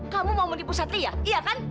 kamu mau menipu satria iya kan